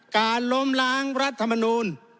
การลมหลางรัฐมนูน